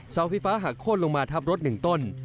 เสาไฟฟ้าหักโค้นลงมาทับรถ๑ต้น